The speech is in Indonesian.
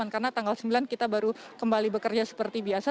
karena tanggal sembilan kita baru kembali bekerja seperti biasa